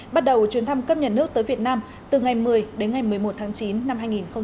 bắt đầu chuyến thăm cấp nhà nước tới việt nam từ ngày một mươi đến ngày một mươi một tháng chín năm hai nghìn hai mươi